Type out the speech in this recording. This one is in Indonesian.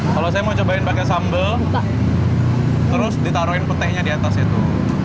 kalau saya mau cobain pakai sambal terus ditaruhin petainya di atas itu